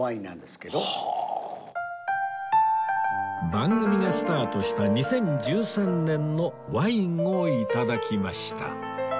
番組がスタートした２０１３年のワインを頂きました